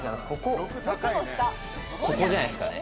ここじゃないですかね？